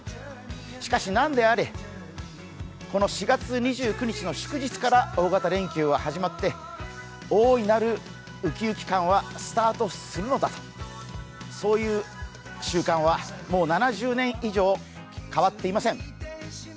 しかし何であれ、この４月２９日の祝日から大型連休は始まって、大いなるウキウキ感はスタートするのだと、そういう習慣はもう７０年以上変わっていません。